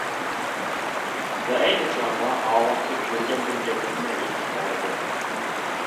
ۋە ئەينى چاغدا ئاۋاتتا كۆرگەن-بىلگەنلىرىنى ئېيتىپ بەردى.